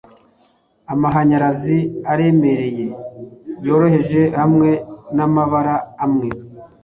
Amahanyarazi aremereye, yoroheje hamwe namabara amwe